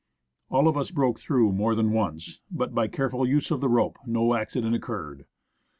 All of us broke through more than once, but by careful use of the rope no accident occurred.